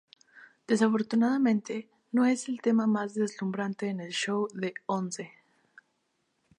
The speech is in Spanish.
Desafortunadamente, no es el tema más deslumbrante en el show de Once.